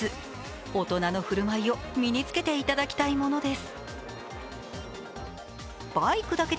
大人の振る舞いを身に着けていただきたいものです。